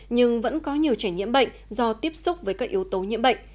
nhưng vẫn có nhiều trẻ nhiễm bệnh do tiếp xúc với các yếu tố nhiễm bệnh